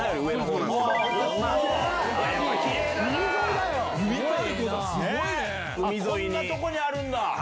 こんなとこにあるんだ！